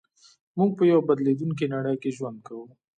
موږ په يوه بدلېدونکې نړۍ کې ژوند کوو.